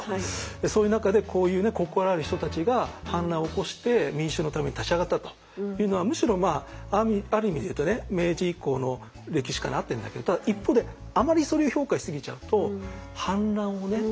そういう中でこういう心ある人たちが反乱を起こして民衆のために立ち上がったというのはむしろある意味で言うとね明治以降の歴史観に合ってるんだけどただ一方で際どい。